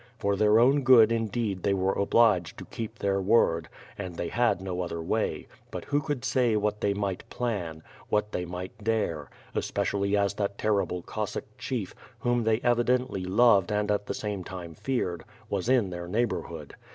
For their own good indeed they were obliged to keep their word — and they had no other way — but who could say what they might plan, what they might dare, especially as that terrible Cossack chief, whom they evidently loved and at the same time feared, was in their neighborhood.